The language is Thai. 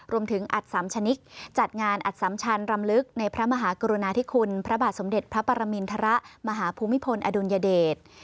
อัดสำชนิกจัดงานอัดสัมชันรำลึกในพระมหากรุณาธิคุณพระบาทสมเด็จพระปรมินทรมาหาภูมิพลอดุลยเดช